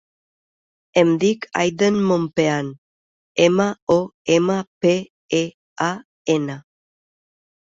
Em dic Aiden Mompean: ema, o, ema, pe, e, a, ena.